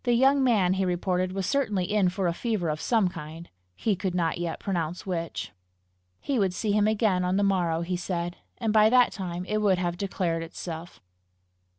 The young man, he reported, was certainly in for a fever of some kind he could not yet pronounce which. He would see him again on the morrow, he said, and by that time it would have declared itself.